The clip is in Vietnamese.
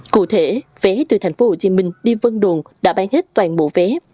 cụ thể vé từ tp hcm đi vân đồn đã bán hết toàn bộ vé